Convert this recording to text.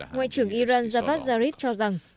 ngoại trưởng iran javad zarif cho rằng